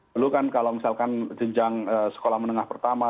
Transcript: lalu kan kalau misalkan jenjang sekolah menengah pertama